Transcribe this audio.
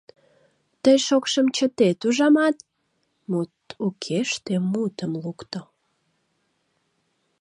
— Тый шокшым чытет, ужамат? — мут укеште мутым лукто.